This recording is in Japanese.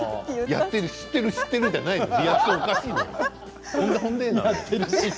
知ってる知ってるじゃないのリアクションおかしいから。